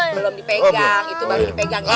belum dipegang itu baru dipegang ya